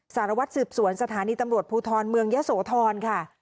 สารวัตรสืบสวนสถานีตำรวจภูทรเมืองยะโสธรค่ะ